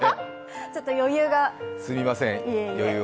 ちょっと余裕が。